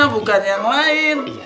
bukan yang lain